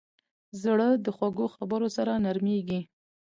زړه د خوږو خبرو سره نرمېږي.